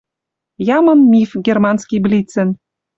Ямын миф германский блицӹн.